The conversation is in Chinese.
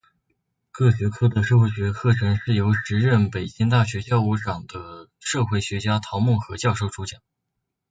各学科的社会学课程是由时任北京大学教务长的社会学家陶孟和教授主讲。